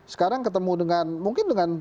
sekarang ketemu dengan mungkin dengan